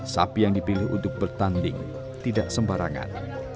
sapi yang dipilih untuk bertanding tidak sembarangan